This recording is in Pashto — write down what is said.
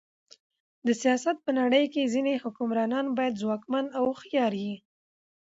د سیاست په نړۍ کښي ځيني حکمرانان باید ځواکمن او هوښیار يي.